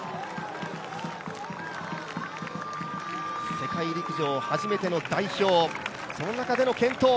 世界陸上初めての代表、その中での健闘。